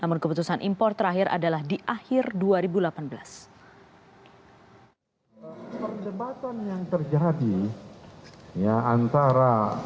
namun keputusan impor terakhir adalah di akhir dua ribu delapan belas